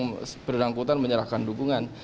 dan yang terangkutan menyerahkan dukungan